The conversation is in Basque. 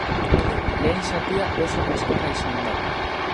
Lehen zatia oso kaskarra izan da.